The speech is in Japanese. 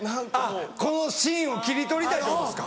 このシーンを切り取りたいってことですか。